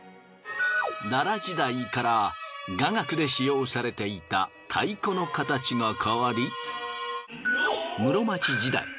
奈良時代から雅楽で使用されていた太鼓の形が変わり室町時代